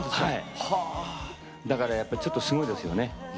だからやっぱりちょっとすごいですよね。